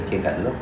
trên cả nước